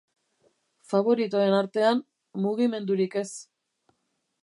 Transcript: Faboritoen artean, mugimendurik ez.